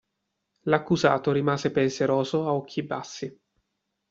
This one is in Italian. L'accusato rimase pensieroso ad occhi bassi.